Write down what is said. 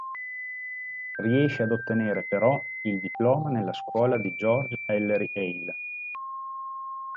Riesce ad ottenere però il diploma nella scuola di George Ellery Hale.